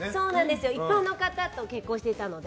一般の方と結婚していたので。